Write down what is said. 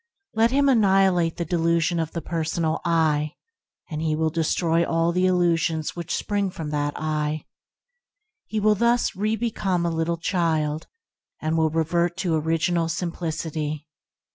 Let him annihilate the delusion of the personal "I," and he will destroy all the illusions which spring from that "I." He will thus "re become a little child," and will "revert to Original Simplicity."